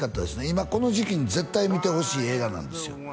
今この時期に絶対見てほしい映画なんですよ